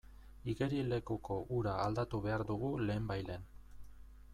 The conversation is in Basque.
Igerilekuko ura aldatu behar dugu lehenbailehen.